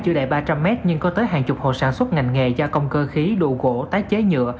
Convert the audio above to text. chưa đầy ba trăm linh mét nhưng có tới hàng chục hộ sản xuất ngành nghề gia công cơ khí đồ gỗ tái chế nhựa